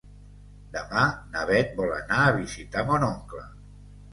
Demà na Bet vol anar a visitar mon oncle.